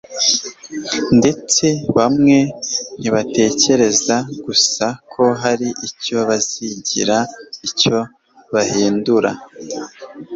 ndetse bamwe ntibatekereza gusa ko hari icyo bizagira icyo bihindura